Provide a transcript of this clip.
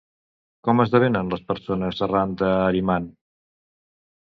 Com esdevenen les persones, arran d'Ahriman?